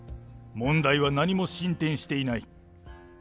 問題は何も進展していない。